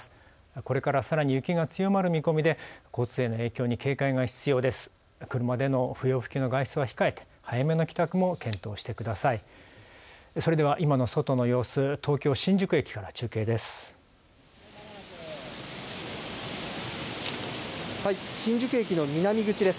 これからさらに雪が強まる見込みで交通への影響に警戒が必要です。